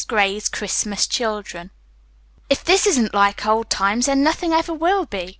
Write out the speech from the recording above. GRAY'S CHRISTMAS CHILDREN "If this isn't like old times, then nothing ever will be!"